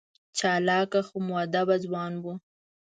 چالاکه خو مودبه ځوان و.